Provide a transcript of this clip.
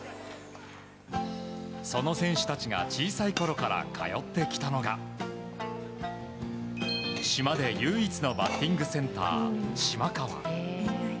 その選手たちが小さいころから通ってきたのが島で唯一のバッティングセンターしまかわ。